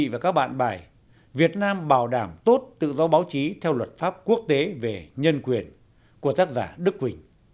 và các bạn bài việt nam bảo đảm tốt tự do báo chí theo luật pháp quốc tế về nhân quyền của tác giả đức quỳnh